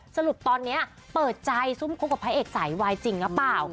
สรุปตอนนี้เปิดใจซุ่มคบกับพระเอกสายวายจริงหรือเปล่า